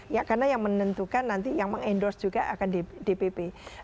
ya karena yang menentukan nanti yang mengendorse juga akan dpp